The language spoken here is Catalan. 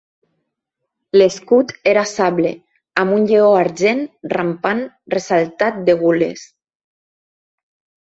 L'escut era sable, amb un lleó argent rampant ressaltat de gules.